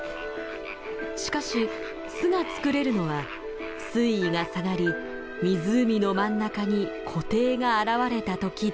しかし巣が作れるのは水位が下がり湖の真ん中に湖底が現れた時だけ。